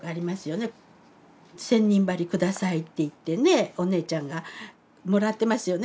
「千人針下さい」って言ってねお姉ちゃんがもらってますよね